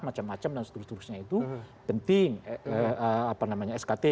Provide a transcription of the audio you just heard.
macam macam dan seterusnya itu penting apa namanya skt